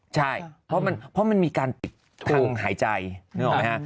ใช่เพราะมันมีการปิดทางหายใจนึกออกไหมฮะ